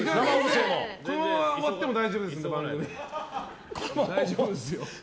このまま終わっても大丈夫ですので。